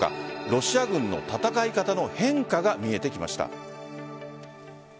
ロシア軍の戦い方の変化が見えてきました。